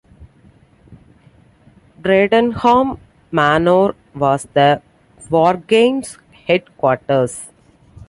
Bradenham Manor was the Wargames' Headquarters.